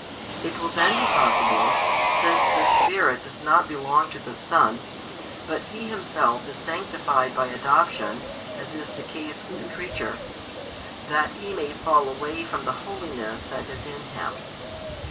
It will then be possible, since the Spirit does not belong to the Son, but He Himself is sanctified by adoption, as is the case with the creature, that He may fall away from the holiness that is in Him.